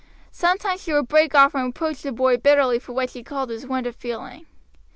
Sometimes she would break off and reproach the boy bitterly for what she called his want of feeling.